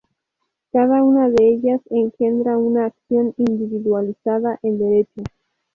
Cada una de ellas engendra una acción individualizada en Derecho.